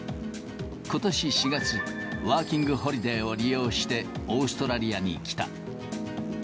ことし４月、ワーキングホリデーを利用して、オーストラリアに来た。